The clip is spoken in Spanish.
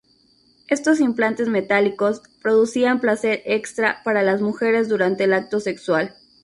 Estos implantes metálicos producían placer extra para las mujeres durante el acto sexual.